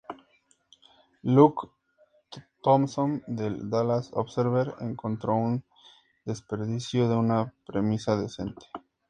Luke Thompson del "Dallas Observer" encontró "un desperdicio de una premisa decente".